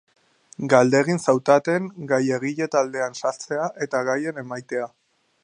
Galdegin zautaten gai-egile taldean sartzea eta gaien emaitea.